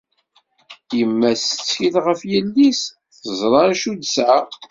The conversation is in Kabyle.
Yemma-s tettkel ɣef yelli-s, teẓra acu i d-tesɛa.